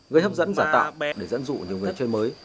gây hấp dẫn giả tạo để dẫn dụ nhiều người chơi mới